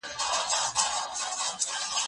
زه کولای سم قلم استعمالوم کړم،